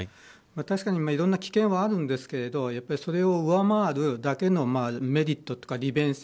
確かにいろんな危険はあるんですがそれを上回るだけのメリットとか利便性